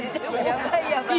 やばいやばい。